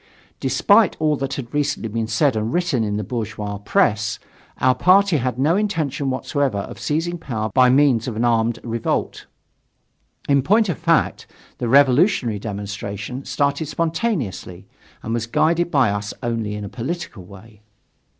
Despite all that had recently been said and written in the bourgeois press, our party had no intention whatever of seizing power by means of an armed revolt. In point of fact, the revolutionary demonstration started spontaneously, and was guided by us only in a political way.